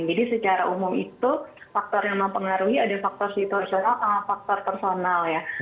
jadi secara umum itu faktor yang mempengaruhi ada faktor situasional sama faktor personal ya